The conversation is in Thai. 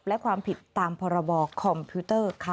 และความผิดตามพรบคอมพิวเตอร์ค่ะ